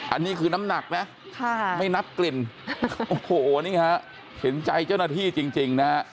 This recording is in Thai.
อันนี้คือน้ำหนักนะไม่นับกลิ่นโอ้โหนี่ฮะเห็นใจเจ้าหน้าที่จริงนะฮะ